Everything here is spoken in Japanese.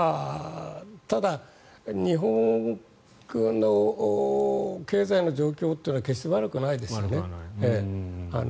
ただ日本の経済の状況っていうのは決して悪くないですよね。